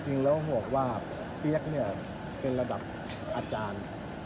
จริงแล้วบอกว่าเปี๊ยกเนี่ยเป็นระดับอาจารย์